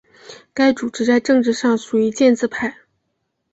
该组织在政治上属于建制派。